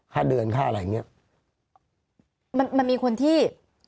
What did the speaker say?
ห้าเดือนค่าอะไรอย่างเงี้ยมันมันมีคนที่